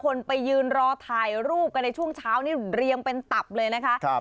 คนไปยืนรอถ่ายรูปกันในช่วงเช้านี่เรียงเป็นตับเลยนะคะ